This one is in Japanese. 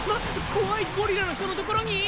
怖いゴリラの人のところに？